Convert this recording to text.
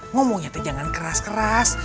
ngomongnya tuh jangan keras keras